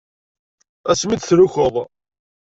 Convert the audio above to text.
Ass mi d-tlukeḍ.